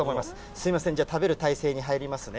すみません、じゃあ、食べる体勢に入りますね。